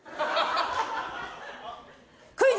クイズ！